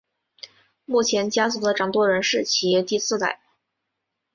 目前家族的掌舵人是其第四代。